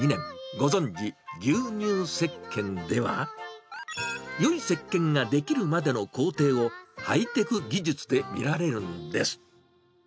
ご存じ、牛乳石鹸では、よいせっけんが出来るまでの工程を、ハイテク技術で見られるんです。